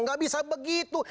nggak bisa begitu